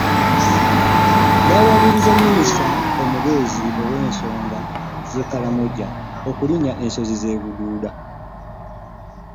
Bawalirizza minisita omubeezi ow''ensonga z'e Karamoja okulinnya ensozi z'e Bududa